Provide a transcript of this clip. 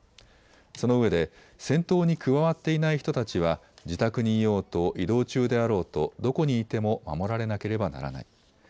そのうえで戦闘に加わっていない人たちは自宅にいようと移動中であろうと、どこにいても守られなければならない。